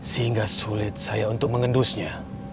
sehingga sulit saya untuk mengendusnya